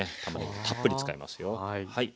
たまねぎたっぷり使いますよ。